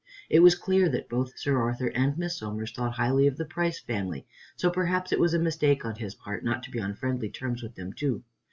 It was clear that both Sir Arthur and Miss Somers thought highly of the Price family, so perhaps it was a mistake on his part not to be on friendly terms with them too.